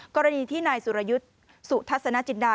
กรณีที่นายสุรยุทธ์สุทัศนจินดา